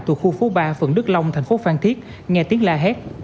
từ khu phố ba phận đức long thành phố phan thiết nghe tiếng la hét